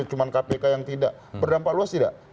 cuma kpk yang tidak berdampak luas tidak